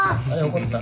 怒った。